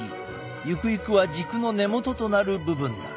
ゆくゆくは軸の根元となる部分だ。